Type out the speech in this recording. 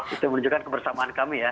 itu menunjukkan kebersamaan kami ya